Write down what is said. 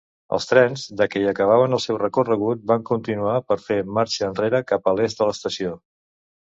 Els trens de que hi acabaven el seu recorregut van continuar per fer marxa enrere cap a l'est de l'estació.